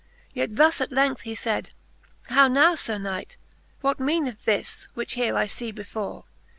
Yet thus at length he faid. How nov/. Sir Knight ? What meaneth this, which here I fee before